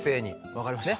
分かりました。